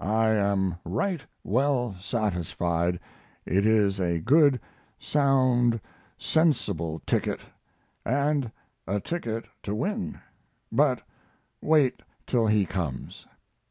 I am right well satisfied it is a good, sound, sensible ticket, and a ticket to win; but wait till he comes.